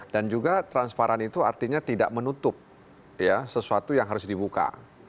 juga transparan itu artinya tidak menutup sesuatu yang harus dibuka